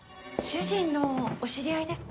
主人のお知り合いですか？